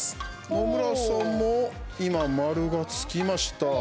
野村さんも今、丸がつきました。